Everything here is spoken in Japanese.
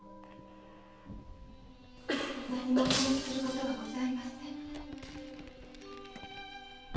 何もお話する事はごさいません。